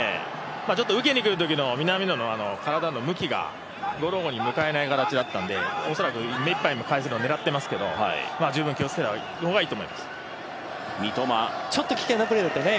ちょっと受けにくるときの南野の体の向きが迎えない形だったので恐らく、目いっぱい狙っているんですけど十分に気をつけた方がいいと思いますね。